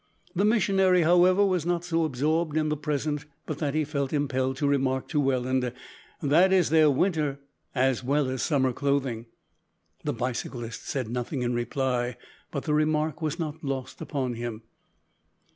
The missionary, however, was not so absorbed in the present but that he felt impelled to remark to Welland: "That is their winter as well as summer clothing." The bicyclist said nothing in reply, but the remark was not lost upon him.